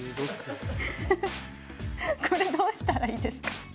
これどうしたらいいですか？